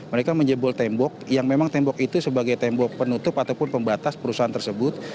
mereka menjebol tembok yang memang tembok itu sebagai tembok penutup ataupun pembatas perusahaan tersebut